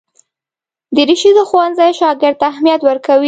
دریشي د ښوونځي شاګرد ته اهمیت ورکوي.